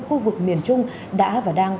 khu vực miền trung đã và đang